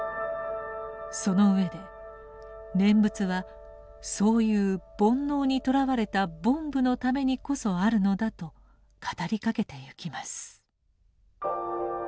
その上で念仏はそういう煩悩にとらわれた「凡夫」のためにこそあるのだと語りかけてゆきます。